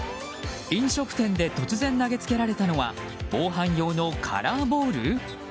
飲食店で突然、投げつけられたのは防犯用のカラーボール？